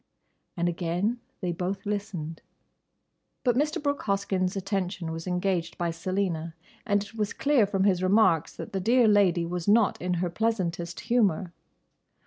"—And again they both listened. But Mr. Brooke Hoskyn's attention was engaged by Selina, and it was clear from his remarks that the dear lady was not in her pleasantest humour.